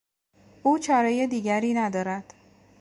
او چارهی دیگری ندارد.